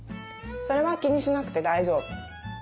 それは気にしなくて大丈夫。